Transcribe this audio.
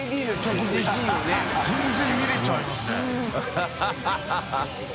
戸次）全然見れちゃいますね。